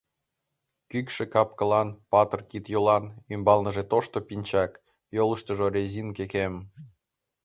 Кӱкшӧ кап-кылан, патыр кид-йолан, ӱмбалныже тошто пинчак, йолыштыжо резинке кем.